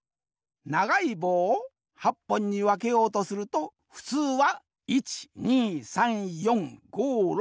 ながいぼうを８ぽんにわけようとするとふつうは１２３４５６７回きらねばならん。